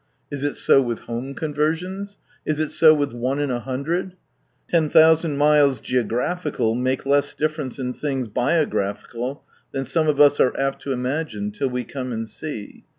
Is it so with home convetsions ? Is it so with one in a hundred ? Ten thousand miles geographical make less difference in things biographical ihan , some of us are apt to imagine, till we come and see.